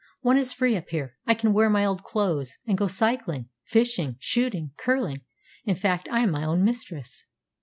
One is free up here. I can wear my old clothes, and go cycling, fishing, shooting, curling; in fact, I'm my own mistress.